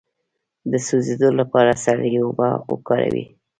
د سوځیدو لپاره سړې اوبه وکاروئ